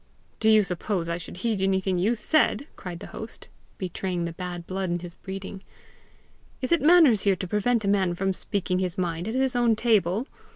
"Do you suppose I should heed anything you said?" cried the host, betraying the bad blood in his breeding. "Is it manners here to prevent a man from speaking his mind at his own table?